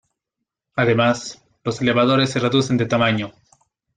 Además, los elevadores se reducen de tamaño.